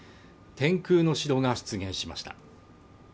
天空の城が出現しました。